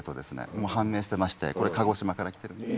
もう判明してましてこれ鹿児島から来てるんです。